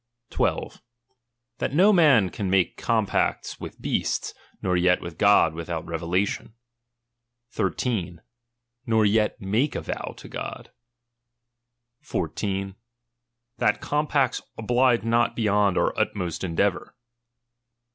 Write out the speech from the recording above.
12. That no man can make compacts with beasts, nor yet with God without revelation. 13. Nor yet make a vow to God. H. That compacts oblige not beyond our utmost endeavour.